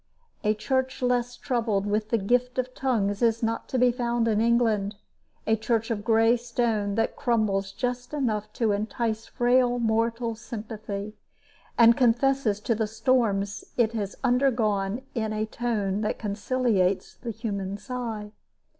A church less troubled with the gift of tongues is not to be found in England: a church of gray stone that crumbles just enough to entice frail mortal sympathy, and confesses to the storms it has undergone in a tone that conciliates the human sigh.